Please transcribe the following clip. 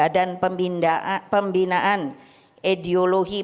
di indonesia ini